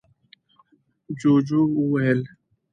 ُجوجُو وويل: